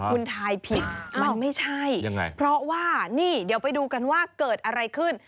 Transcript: คุณทายผิดมันไม่ใช่ยังไงเพราะว่านี่เดี๋ยวไปดูกันว่าเกิดอะไรขึ้น